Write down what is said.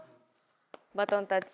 バトンタッチ。